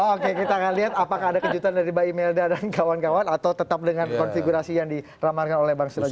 oke kita akan lihat apakah ada kejutan dari mbak imelda dan kawan kawan atau tetap dengan konfigurasi yang diramarkan oleh bang silaturah